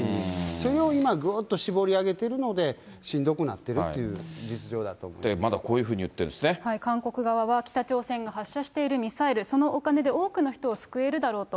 それを今、ぐーっとしぼりあげてるので、しんどくなってるという実情だと思またこういうふうに言ってる韓国側は、北朝鮮が発射しているミサイル、そのお金で多くの人を救えるだろうと。